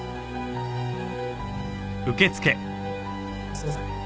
すいません。